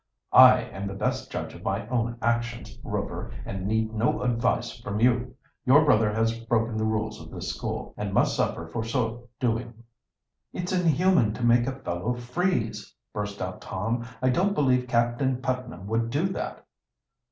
"I am the best judge of my own actions, Rover, and need no advice from you. Your brother has broken the rules of this school, and must suffer for so doing." "It's inhuman to make a fellow freeze," burst out Tom. "I don't believe Captain Putnam would do that."